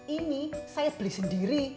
ini saya beli sendiri